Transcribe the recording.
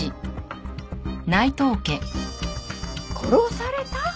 殺された！？